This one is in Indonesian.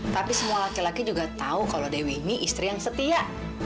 tapi semua laki laki juga tahu kalau dewi mi istri yang setia